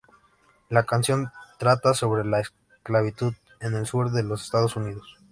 La canción trata sobre la esclavitud en el sur de los Estados Unidos.